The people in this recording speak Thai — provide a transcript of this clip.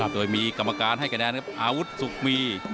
โดยมีกรรมการให้คะแนนอาวุธสุขมี